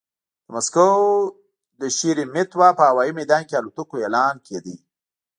د مسکو د شېرېمېتوا په هوايي ميدان کې الوتکو اعلان کېده.